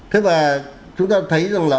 thế và chúng ta thấy rằng là